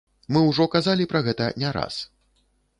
Мы ўжо казалі пра гэта не раз.